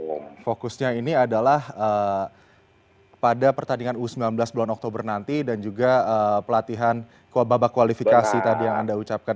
jadi fokusnya ini adalah pada pertandingan u sembilan belas bulan oktober nanti dan juga pelatihan babak kualifikasi tadi yang anda ucapkan